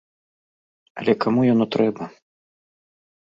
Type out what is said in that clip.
Але каму яно трэба?